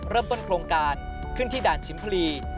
โครงการขึ้นที่ด่านชิมพลี